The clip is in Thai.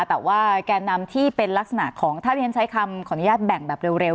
แต่ว่าแกนนำที่เป็นลักษณะของถ้าที่ฉันใช้คำขออนุญาตแบ่งแบบเร็ว